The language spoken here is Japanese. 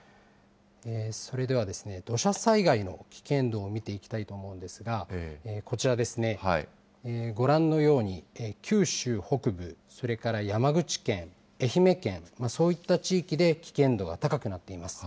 それでは、土砂災害の危険度を見ていきたいと思うんですが、こちらですね、ご覧のように、九州北部、それから山口県、愛媛県、そういった地域で危険度が高くなっています。